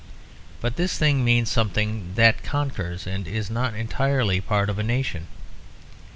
But this thing means something that conquers, and is not entirely part of a nation.